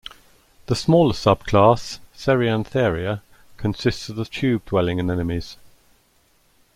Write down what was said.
The smaller subclass, Ceriantharia, consists of the tube-dwelling anemones.